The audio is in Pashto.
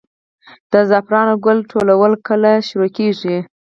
د زعفرانو ګل ټولول کله پیل کیږي؟